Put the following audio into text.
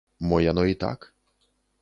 Мо яно і так.